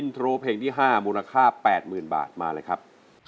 โทรเพลงที่๕มูลค่า๘๐๐๐บาทมาเลยครับ